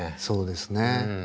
そうですね。